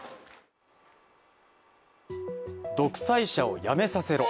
独裁者をやめさせろ。